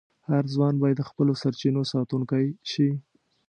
هر ځوان باید د خپلو سرچینو ساتونکی شي.